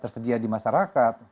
tersedia di masyarakat